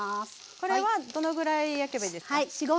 これはどのぐらい焼けばいいですか？